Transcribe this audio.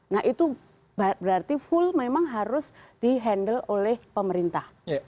nah itu berarti full memang harus di handle oleh pemerintah